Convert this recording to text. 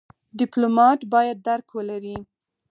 ډيپلومات بايد درک ولري.